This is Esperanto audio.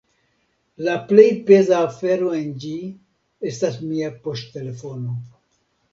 La plej peza afero en ĝi estas mia poŝtelefono.